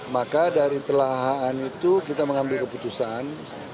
maka dari telahan itu kita mengambil keputusan